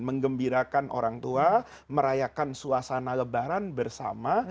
mengembirakan orang tua merayakan suasana lebaran bersama